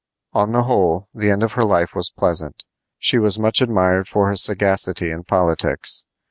On the whole, the end of her life was pleasant. She was much admired for her sagacity in politics.